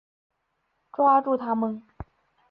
抓住他们！